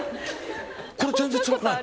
これ全然つらくないの？